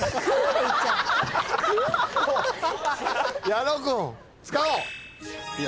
矢野君使おう。